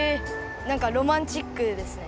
なんかロマンチックですね。